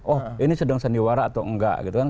oh ini sedang sandiwara atau enggak gitu kan